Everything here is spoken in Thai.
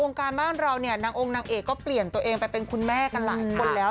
การบ้านเราเนี่ยนางองค์นางเอกก็เปลี่ยนตัวเองไปเป็นคุณแม่กันหลายคนแล้ว